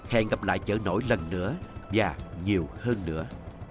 hẹn gặp lại chợ nổi lần nữa và nhiều hơn nữa